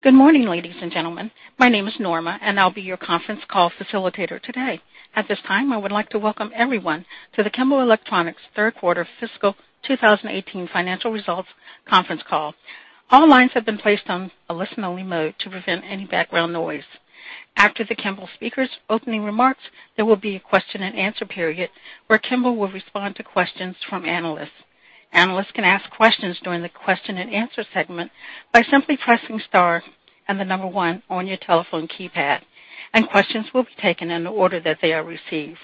Good morning, ladies and gentlemen. My name is Norma, I'll be your conference call facilitator today. At this time, I would like to welcome everyone to the Kimball Electronics third quarter fiscal 2018 financial results conference call. All lines have been placed on a listen-only mode to prevent any background noise. After the Kimball speakers' opening remarks, there will be a question and answer period where Kimball will respond to questions from analysts. Analysts can ask questions during the question and answer segment by simply pressing star and the number 1 on your telephone keypad. Questions will be taken in the order that they are received.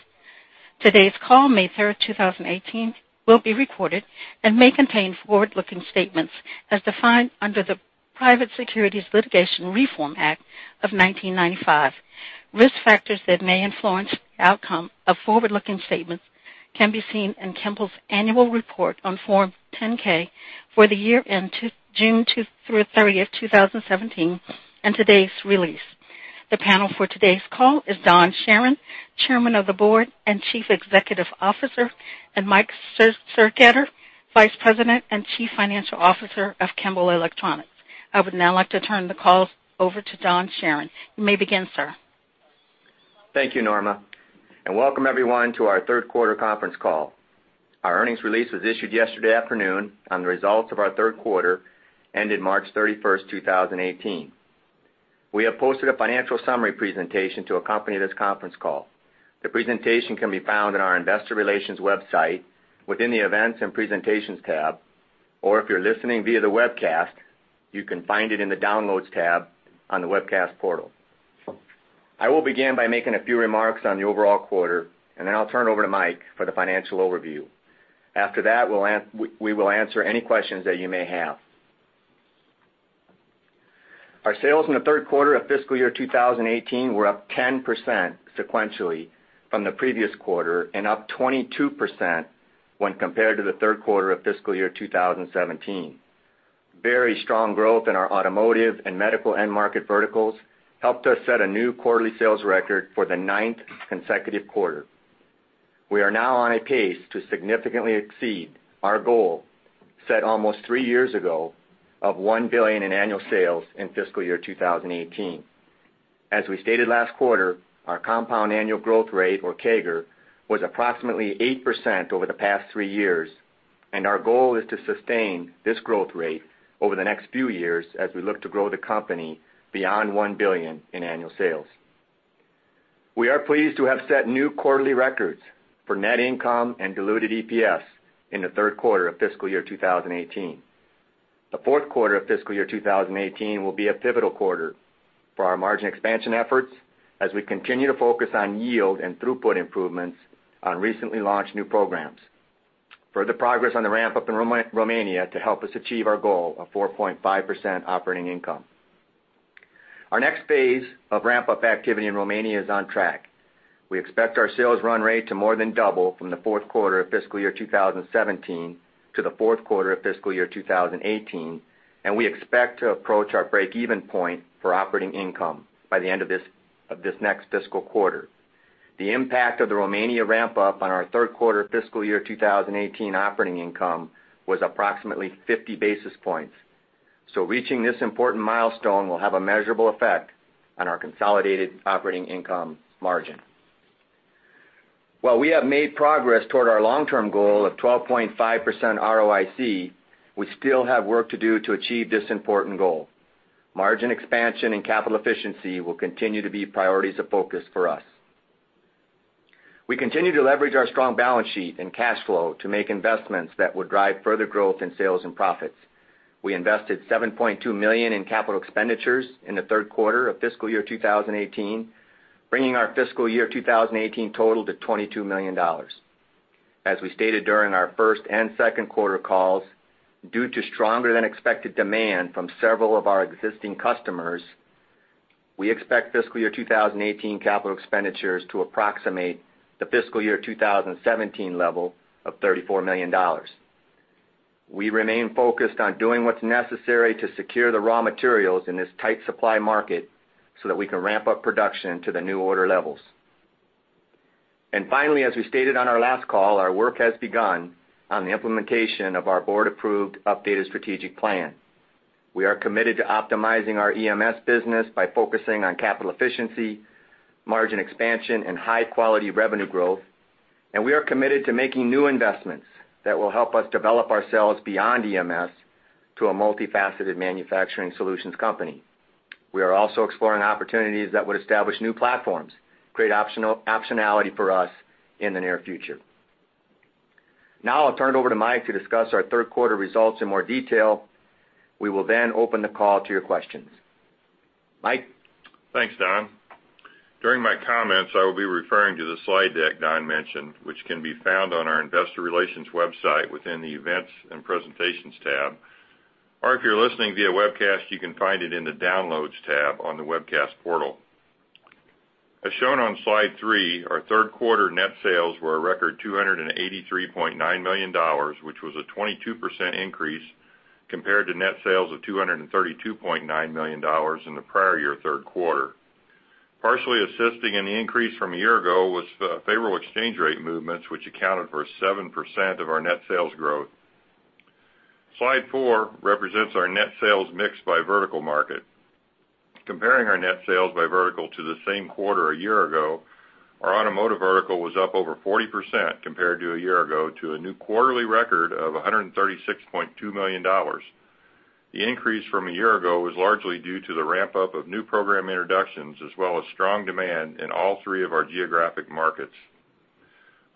Today's call, May 3rd, 2018, will be recorded and may contain forward-looking statements as defined under the Private Securities Litigation Reform Act of 1995. Risk factors that may influence the outcome of forward-looking statements can be seen in Kimball's annual report on Form 10-K for the year end June 30th, 2017, and today's release. The panel for today's call is Don Charron, Chairman of the Board and Chief Executive Officer, and Michael Sergesketter, Vice President and Chief Financial Officer of Kimball Electronics. I would now like to turn the call over to Don Charron. You may begin, sir. Thank you, Norma. Welcome everyone to our third quarter conference call. Our earnings release was issued yesterday afternoon on the results of our third quarter ended March 31st, 2018. We have posted a financial summary presentation to accompany this conference call. The presentation can be found on our investor relations website within the Events and Presentations tab, or if you're listening via the webcast, you can find it in the Downloads tab on the webcast portal. I will begin by making a few remarks on the overall quarter. Then I'll turn it over to Mike for the financial overview. After that, we will answer any questions that you may have. Our sales in the third quarter of fiscal year 2018 were up 10% sequentially from the previous quarter and up 22% when compared to the third quarter of fiscal year 2017. Very strong growth in our automotive and medical end market verticals helped us set a new quarterly sales record for the ninth consecutive quarter. We are now on a pace to significantly exceed our goal, set almost three years ago, of $1 billion in annual sales in fiscal year 2018. As we stated last quarter, our compound annual growth rate, or CAGR, was approximately 8% over the past three years. Our goal is to sustain this growth rate over the next few years as we look to grow the company beyond $1 billion in annual sales. We are pleased to have set new quarterly records for net income and diluted EPS in the third quarter of fiscal year 2018. The fourth quarter of fiscal year 2018 will be a pivotal quarter for our margin expansion efforts as we continue to focus on yield and throughput improvements on recently launched new programs. Further progress on the ramp-up in Romania to help us achieve our goal of 4.5% operating income. Our next phase of ramp-up activity in Romania is on track. We expect our Sales run rate to more than double from the fourth quarter of fiscal year 2017 to the fourth quarter of fiscal year 2018, and we expect to approach our break-even point for operating income by the end of this next fiscal quarter. The impact of the Romania ramp-up on our third quarter fiscal year 2018 operating income was approximately 50 basis points. Reaching this important milestone will have a measurable effect on our consolidated operating income margin. While we have made progress toward our long-term goal of 12.5% ROIC, we still have work to do to achieve this important goal. Margin expansion and capital efficiency will continue to be priorities of focus for us. We continue to leverage our strong balance sheet and cash flow to make investments that would drive further growth in Sales and profits. We invested $7.2 million in capital expenditures in the third quarter of fiscal year 2018, bringing our fiscal year 2018 total to $22 million. As we stated during our first and second quarter calls, due to stronger than expected demand from several of our existing customers, we expect fiscal year 2018 capital expenditures to approximate the fiscal year 2017 level of $34 million. We remain focused on doing what's necessary to secure the raw materials in this tight supply market so that we can ramp up production to the new order levels. Finally, as we stated on our last call, our work has begun on the implementation of our board-approved updated strategic plan. We are committed to optimizing our EMS business by focusing on capital efficiency, margin expansion, and high-quality revenue growth, and we are committed to making new investments that will help us develop ourselves beyond EMS to a multifaceted manufacturing solutions company. We are also exploring opportunities that would establish new platforms, create optionality for us in the near future. I'll turn it over to Mike to discuss our third quarter results in more detail. We will then open the call to your questions. Mike? Thanks, Don. During my comments, I will be referring to the slide deck Don mentioned, which can be found on our investor relations website within the Events and Presentations Tab. Or if you're listening via webcast, you can find it in the Downloads Tab on the webcast portal. As shown on slide three, our third quarter net Sales were a record $283.9 million, which was a 22% increase compared to net Sales of $232.9 million in the prior year third quarter. Partially assisting in the increase from a year ago was the favorable exchange rate movements, which accounted for 7% of our net Sales growth. Slide four represents our net Sales mix by vertical market. Comparing our net Sales by vertical to the same quarter a year ago, our automotive vertical was up over 40% compared to a year ago to a new quarterly record of $136.2 million. The increase from a year ago was largely due to the ramp-up of new program introductions, as well as strong demand in all three of our geographic markets.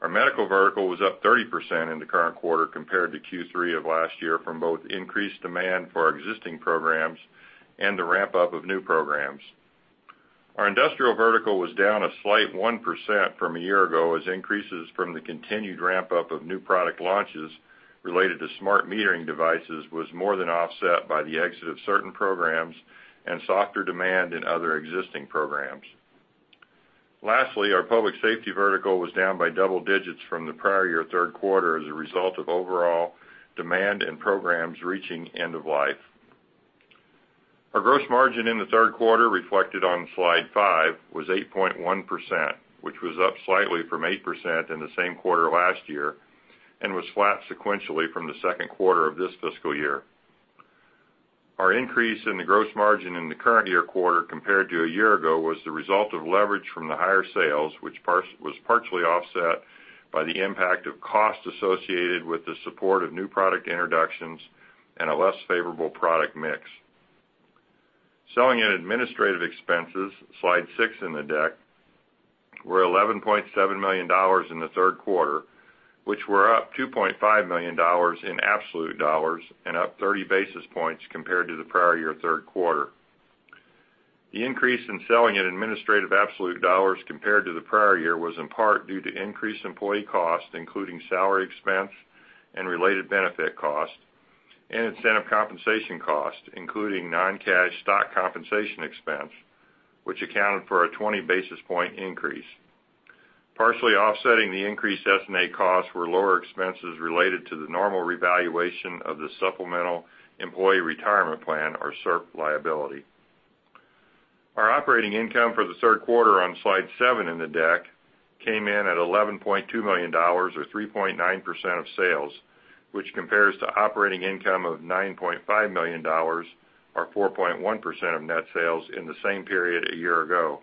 Our medical vertical was up 30% in the current quarter compared to Q3 of last year from both increased demand for our existing programs and the ramp-up of new programs. Our industrial vertical was down a slight 1% from a year ago as increases from the continued ramp-up of new product launches related to smart metering devices was more than offset by the exit of certain programs and softer demand in other existing programs. Lastly, our public safety vertical was down by double digits from the prior year third quarter as a result of overall demand and programs reaching end of life. Our gross margin in the third quarter, reflected on Slide five, was 8.1%, which was up slightly from 8% in the same quarter last year and was flat sequentially from the second quarter of this fiscal year. Our increase in the gross margin in the current year quarter compared to a year ago was the result of leverage from the higher Sales, which was partially offset by the impact of costs associated with the support of new product introductions and a less favorable product mix. Selling and administrative expenses, Slide six in the deck, were $11.7 million in the third quarter, which were up $2.5 million in absolute dollars and up 30 basis points compared to the prior year third quarter. The increase in selling and administrative absolute dollars compared to the prior year was in part due to increased employee costs, including salary expense and related benefit costs, and incentive compensation costs, including non-cash stock compensation expense, which accounted for a 20 basis point increase. Partially offsetting the increased S&A costs were lower expenses related to the normal revaluation of the supplemental employee retirement plan, or SERP, liability. Our operating income for the third quarter on Slide seven in the deck came in at $11.2 million or 3.9% of Sales, which compares to operating income of $9.5 million or 4.1% of net Sales in the same period a year ago.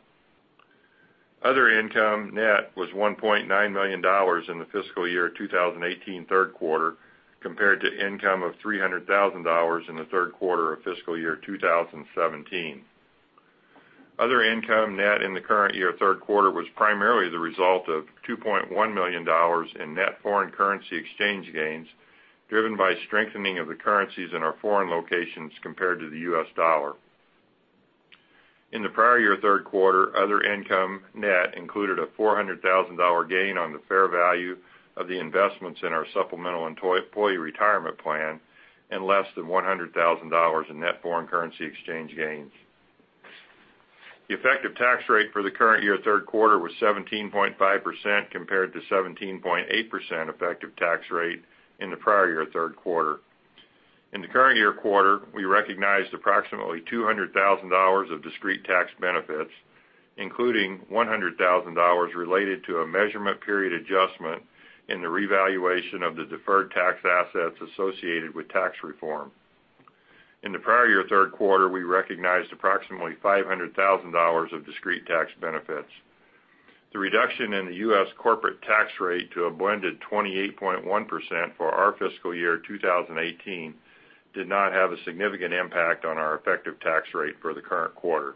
Other income net was $1.9 million in the fiscal year 2018 third quarter, compared to income of $300,000 in the third quarter of fiscal year 2017. Other income net in the current year third quarter was primarily the result of $2.1 million in net foreign currency exchange gains, driven by strengthening of the currencies in our foreign locations compared to the U.S. dollar. In the prior year third quarter, other income net included a $400,000 gain on the fair value of the investments in our supplemental employee retirement plan and less than $100,000 in net foreign currency exchange gains. The effective tax rate for the current year third quarter was 17.5%, compared to 17.8% effective tax rate in the prior year third quarter. In the current year quarter, we recognized approximately $200,000 of discrete tax benefits, including $100,000 related to a measurement period adjustment in the revaluation of the deferred tax assets associated with tax reform. In the prior year third quarter, we recognized approximately $500,000 of discrete tax benefits. The reduction in the U.S. corporate tax rate to a blended 28.1% for our FY 2018 did not have a significant impact on our effective tax rate for the current quarter.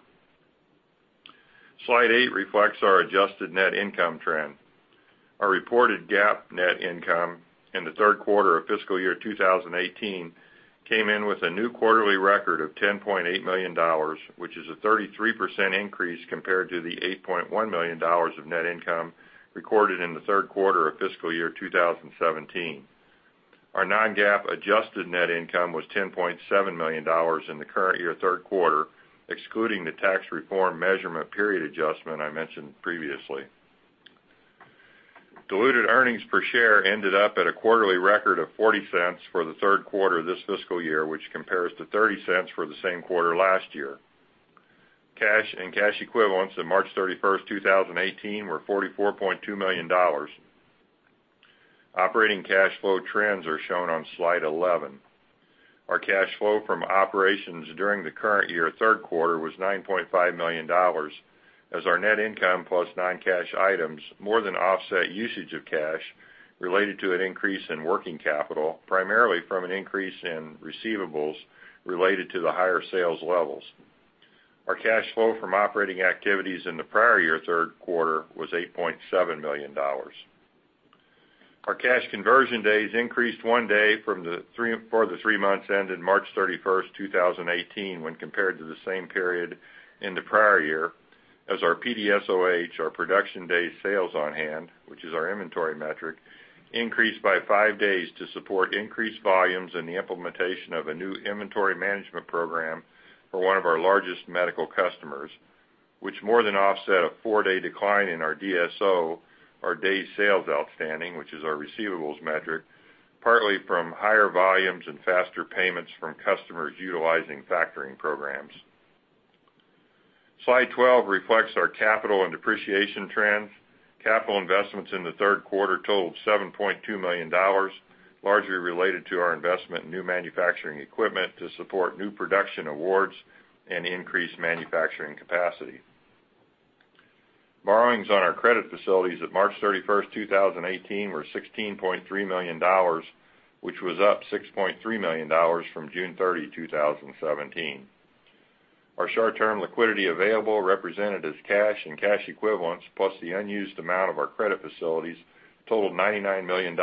Slide 8 reflects our adjusted net income trend. Our reported GAAP net income in the third quarter of FY 2018 came in with a new quarterly record of $10.8 million, which is a 33% increase compared to the $8.1 million of net income recorded in the third quarter of FY 2017. Our non-GAAP adjusted net income was $10.7 million in the current year third quarter, excluding the tax reform measurement period adjustment I mentioned previously. Diluted earnings per share ended up at a quarterly record of $0.40 for the third quarter this fiscal year, which compares to $0.30 for the same quarter last year. Cash and cash equivalents in March 31st, 2018 were $44.2 million. Operating cash flow trends are shown on Slide 11. Our cash flow from operations during the current year third quarter was $9.5 million as our net income plus non-cash items more than offset usage of cash related to an increase in working capital, primarily from an increase in receivables related to the higher Sales levels. Our cash flow from operating activities in the prior year third quarter was $8.7 million. Our cash conversion days increased one day for the three months ended March 31st, 2018 when compared to the same period in the prior year as our PDSOH, our production day Sales on hand, which is our inventory metric, increased by five days to support increased volumes and the implementation of a new inventory management program for one of our largest medical customers, which more than offset a four-day decline in our DSO, our day Sales outstanding, which is our receivables metric, partly from higher volumes and faster payments from customers utilizing factoring programs. Slide 12 reflects our capital and depreciation trends. Capital investments in the third quarter totaled $7.2 million, largely related to our investment in new manufacturing equipment to support new production awards and increased manufacturing capacity. Borrowings on our credit facilities at March 31st, 2018, were $16.3 million, which was up $6.3 million from June 30, 2017. Our short-term liquidity available, represented as cash and cash equivalents, plus the unused amount of our credit facilities, totaled $99 million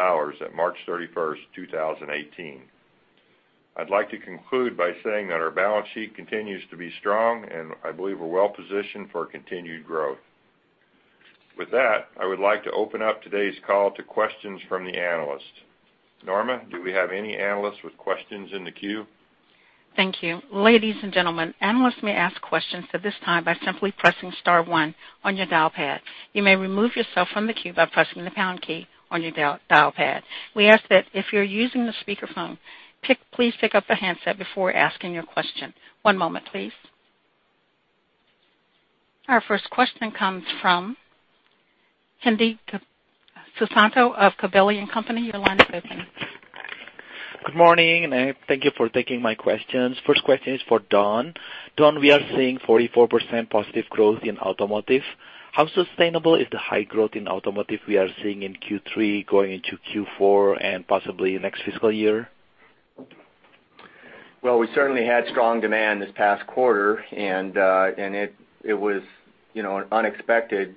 at March 31st, 2018. I'd like to conclude by saying that our balance sheet continues to be strong, and I believe we're well-positioned for continued growth. With that, I would like to open up today's call to questions from the analysts. Norma, do we have any analysts with questions in the queue? Thank you. Ladies and gentlemen, analysts may ask questions at this time by simply pressing star one on your dial pad. You may remove yourself from the queue by pressing the # key on your dial pad. We ask that if you're using the speakerphone, please pick up the handset before asking your question. One moment, please. Our first question comes from Hendi Susanto of Gabelli & Company. Your line is open. Good morning, thank you for taking my questions. First question is for Don. Don, we are seeing 44% positive growth in automotive. How sustainable is the high growth in automotive we are seeing in Q3 going into Q4 and possibly next fiscal year? We certainly had strong demand this past quarter, it was unexpected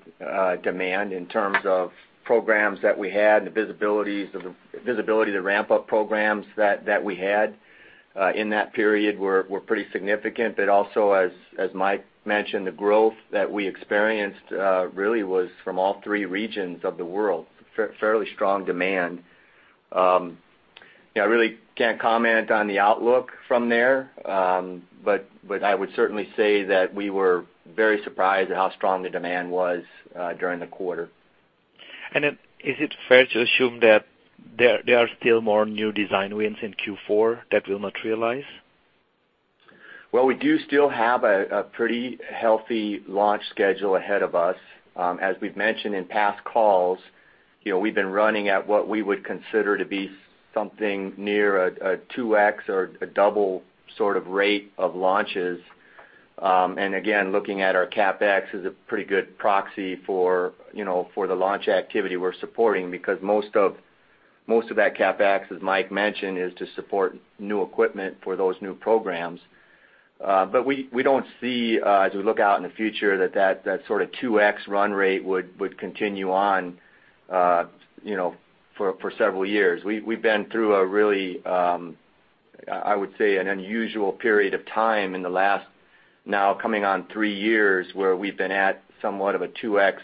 demand in terms of programs that we had and the visibility to ramp up programs that we had in that period were pretty significant. As Mike mentioned, the growth that we experienced really was from all three regions of the world. Fairly strong demand. I really can't comment on the outlook from there, I would certainly say that we were very surprised at how strong the demand was during the quarter. Is it fair to assume that there are still more new design wins in Q4 that will materialize? We do still have a pretty healthy launch schedule ahead of us. As we've mentioned in past calls, we've been running at what we would consider to be something near a 2x or a double sort of rate of launches. Again, looking at our CapEx is a pretty good proxy for the launch activity we're supporting, because most of that CapEx, as Mike mentioned, is to support new equipment for those new programs. We don't see, as we look out in the future, that sort of 2x run rate would continue on for several years. We've been through a really, I would say, an unusual period of time in the last now coming on three years, where we've been at somewhat of a 2x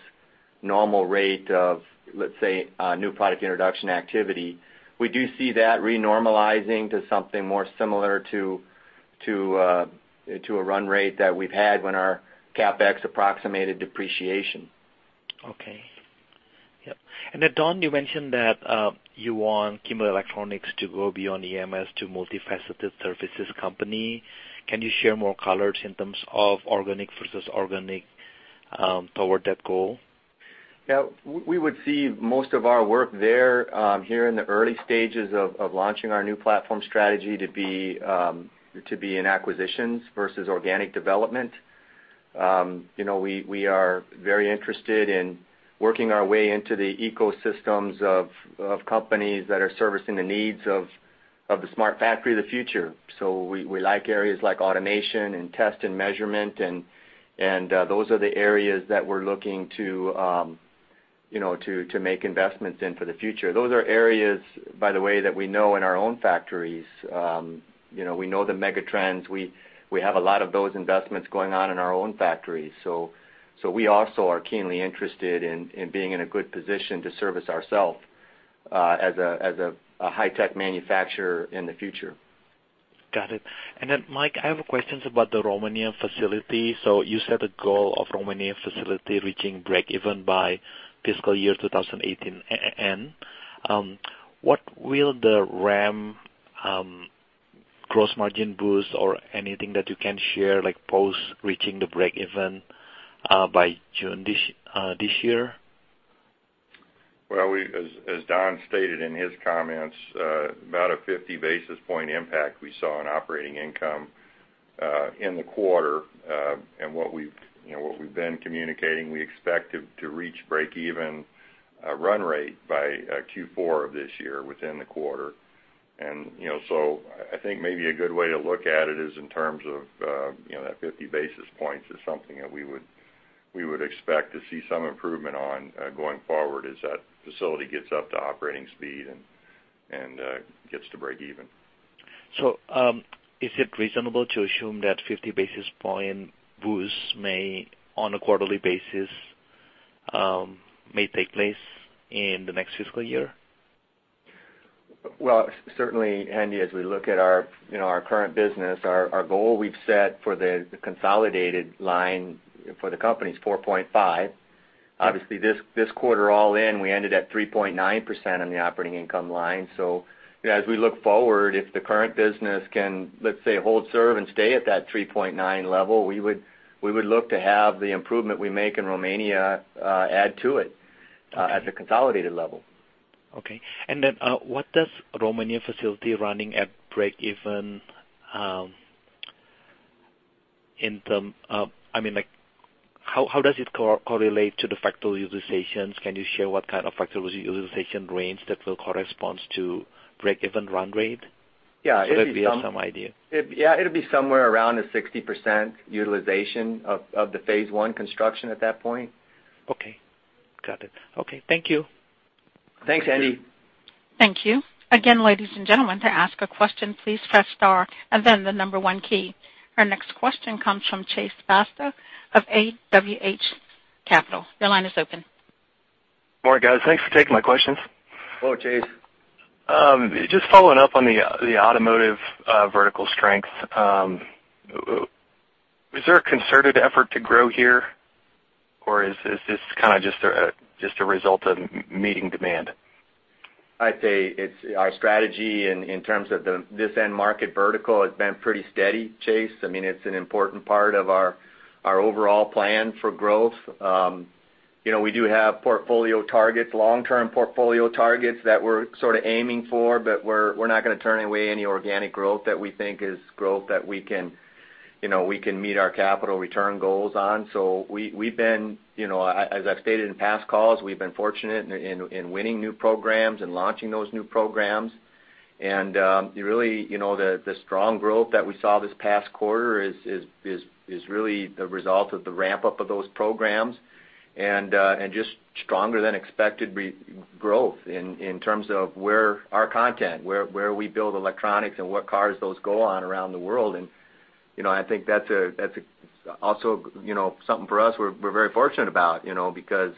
normal rate of, let's say, new product introduction activity. We do see that renormalizing to something more similar to a run rate that we've had when our CapEx approximated depreciation. Okay. Yep. Then, Don, you mentioned that you want Kimball Electronics to go beyond EMS to multifaceted services company. Can you share more color in terms of organic versus inorganic toward that goal? Yeah. We would see most of our work there here in the early stages of launching our new platform strategy to be in acquisitions versus organic development. We are very interested in working our way into the ecosystems of companies that are servicing the needs of the smart factory of the future. We like areas like automation and test and measurement, those are the areas that we're looking to make investments in for the future. Those are areas, by the way, that we know in our own factories. We know the megatrends. We have a lot of those investments going on in our own factories. We also are keenly interested in being in a good position to service ourself as a high-tech manufacturer in the future. Got it. Mike, I have a question about the Romanian facility. You set a goal of Romanian facility reaching break even by fiscal year 2018. What will the RAM gross margin boost or anything that you can share, like post reaching the break even by June this year? Well, as Don stated in his comments, about a 50 basis point impact we saw in operating income in the quarter. What we've been communicating, we expect to reach break even run rate by Q4 of this year within the quarter. I think maybe a good way to look at it is in terms of that 50 basis points is something that we would expect to see some improvement on going forward as that facility gets up to operating speed and gets to break even. Is it reasonable to assume that 50 basis point boost may, on a quarterly basis, may take place in the next fiscal year? Well, certainly, Hendi, as we look at our current business, our goal we've set for the consolidated line for the company is 4.5%. Obviously, this quarter all in, we ended at 3.9% on the operating income line. As we look forward, if the current business can, let's say, hold serve and stay at that 3.9% level, we would look to have the improvement we make in Romania add to it at the consolidated level. Okay. what does Romania facility running at breakeven, how does it correlate to the factory utilizations? Can you share what kind of factory utilization range that will corresponds to breakeven run rate? Yeah. that we have some idea. Yeah, it'll be somewhere around the 60% utilization of the phase one construction at that point. Okay. Got it. Okay, thank you. Thanks, Hendi. Thank you. Ladies and gentlemen, to ask a question, please press star and then the number one key. Our next question comes from Chase Basta of AWH Capital. Your line is open. Good morning, guys. Thanks for taking my questions. Hello, Chase. Just following up on the automotive vertical strength. Is there a concerted effort to grow here, or is this kind of just a result of meeting demand? I'd say it's our strategy in terms of this end market vertical has been pretty steady, Chase. It's an important part of our overall plan for growth. We do have portfolio targets, long-term portfolio targets that we're sort of aiming for, we're not going to turn away any organic growth that we think is growth that we can meet our capital return goals on. As I've stated in past calls, we've been fortunate in winning new programs and launching those new programs. Really, the strong growth that we saw this past quarter is really the result of the ramp-up of those programs and just stronger than expected growth in terms of where our content, where we build electronics and what cars those go on around the world. I think that's also something for us we're very fortunate about, because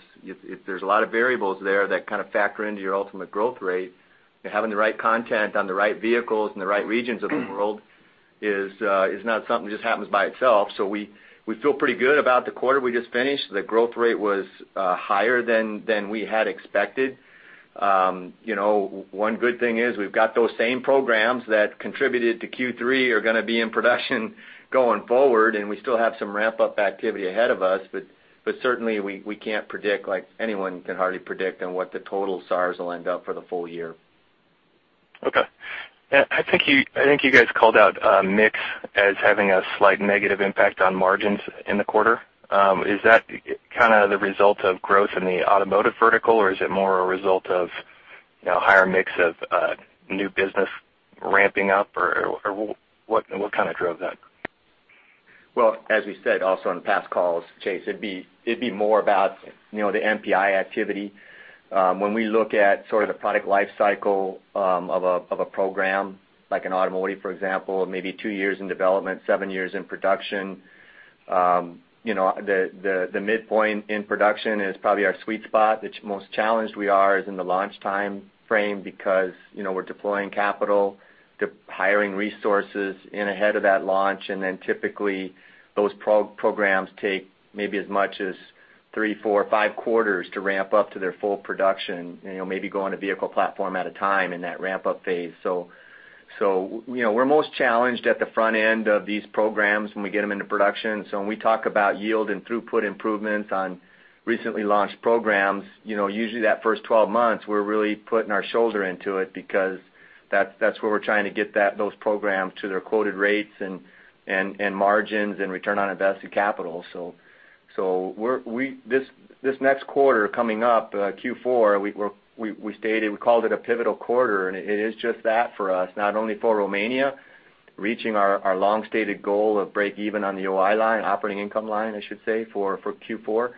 there's a lot of variables there that kind of factor into your ultimate growth rate. Having the right content on the right vehicles in the right regions of the world is not something that just happens by itself. We feel pretty good about the quarter we just finished. The growth rate was higher than we had expected. One good thing is we've got those same programs that contributed to Q3 are going to be in production going forward, and we still have some ramp-up activity ahead of us. Certainly, we can't predict, like anyone can hardly predict on what the total Sales will end up for the full year. Okay. I think you guys called out mix as having a slight negative impact on margins in the quarter. Is that kind of the result of growth in the automotive vertical, or is it more a result of higher mix of new business ramping up, or what kind of drove that? Well, as we said also on past calls, Chase, it'd be more about the NPI activity. When we look at sort of the product life cycle of a program, like in automotive, for example, it may be two years in development, seven years in production. The midpoint in production is probably our sweet spot. The most challenged we are is in the launch time frame because we're deploying capital, hiring resources in ahead of that launch, and then typically, those programs take maybe as much as three, four, five quarters to ramp up to their full production, maybe go on a vehicle platform at a time in that ramp-up phase. We're most challenged at the front end of these programs when we get them into production. When we talk about yield and throughput improvements on recently launched programs, usually that first 12 months, we're really putting our shoulder into it because that's where we're trying to get those programs to their quoted rates and margins and return on invested capital. This next quarter coming up, Q4, we called it a pivotal quarter, and it is just that for us, not only for Romania, reaching our long-stated goal of breakeven on the OI line, operating income line, I should say, for Q4,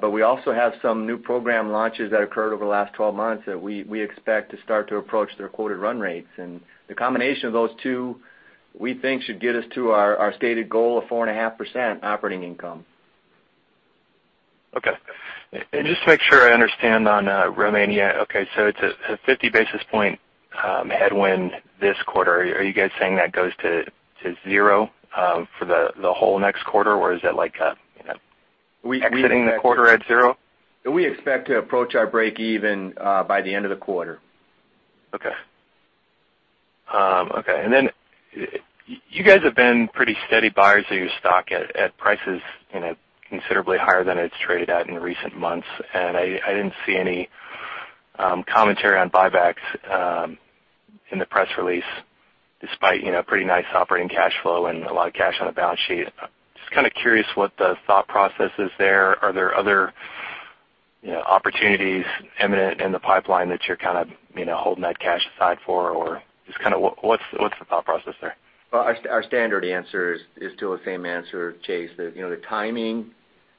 but we also have some new program launches that occurred over the last 12 months that we expect to start to approach their quoted run rates. The combination of those two, we think should get us to our stated goal of 4.5% operating income. Okay. Just to make sure I understand on Romania. Okay, it's a 50 basis point headwind this quarter. Are you guys saying that goes to zero for the whole next quarter, or is that like exiting the quarter at zero? We expect to approach our breakeven by the end of the quarter. Okay. You guys have been pretty steady buyers of your stock at prices considerably higher than it's traded at in recent months. I didn't see any commentary on buybacks in the press release despite pretty nice operating cash flow and a lot of cash on the balance sheet. Just kind of curious what the thought process is there. Are there other opportunities imminent in the pipeline that you're kind of holding that cash aside for, or just kind of what's the thought process there? Well, our standard answer is still the same answer, Chase. The timing,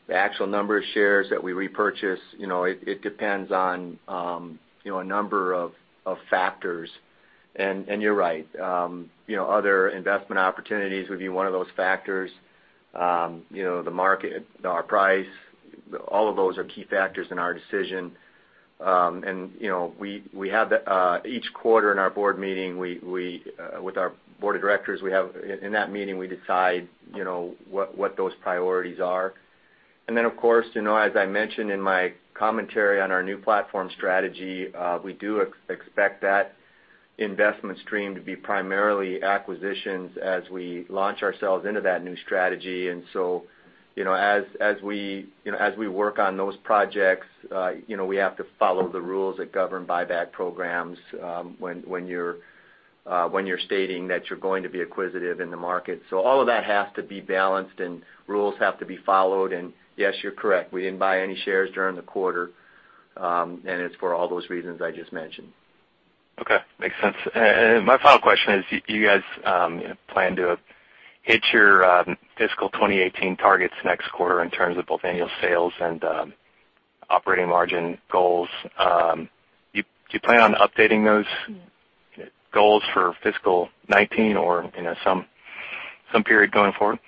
the actual number of shares that we repurchase, it depends on a number of factors. You're right. Other investment opportunities would be one of those factors. The market, our price, all of those are key factors in our decision. We have each quarter in our board meeting with our board of directors, in that meeting, we decide what those priorities are. Of course, as I mentioned in my commentary on our new platform strategy, we do expect that investment stream to be primarily acquisitions as we launch ourselves into that new strategy. As we work on those projects, we have to follow the rules that govern buyback programs when you're stating that you're going to be acquisitive in the market. All of that has to be balanced and rules have to be followed. Yes, you're correct, we didn't buy any shares during the quarter, and it's for all those reasons I just mentioned. Okay. Makes sense. My final question is, do you guys plan to hit your fiscal 2018 targets next quarter in terms of both annual Sales and operating margin goals? Do you plan on updating those goals for fiscal 2019 or some period going forward?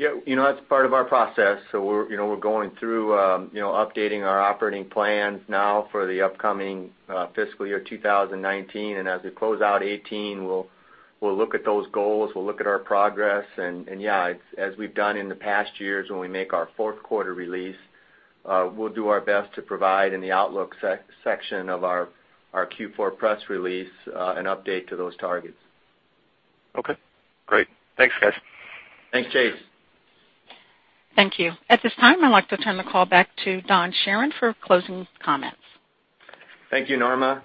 Yeah. That's part of our process. We're going through updating our operating plans now for the upcoming fiscal year 2019. As we close out 2018, we'll look at those goals, we'll look at our progress, yeah, as we've done in the past years, when we make our fourth quarter release, we'll do our best to provide in the outlook section of our Q4 press release, an update to those targets. Okay, great. Thanks, guys. Thanks, Chase. Thank you. At this time, I'd like to turn the call back to Don Charron for closing comments. Thank you, Norma.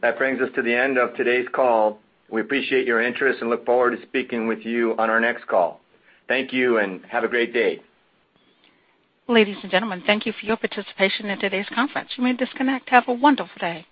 That brings us to the end of today's call. We appreciate your interest and look forward to speaking with you on our next call. Thank you and have a great day. Ladies and gentlemen, thank you for your participation in today's conference. You may disconnect. Have a wonderful day.